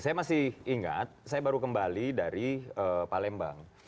saya masih ingat saya baru kembali dari palembang